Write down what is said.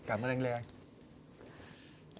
cảm ơn anh lê anh